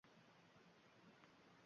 Shu o’rniga unga zulm qiladilar.